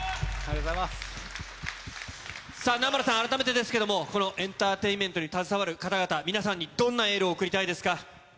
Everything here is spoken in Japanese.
さあ、南原さん、改めてですけれども、このエンターテインメントに携わる方々、皆さんにどんなエールを送りたいですか？